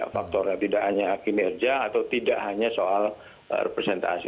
faktornya tidak hanya kinerja atau tidak hanya soal representasi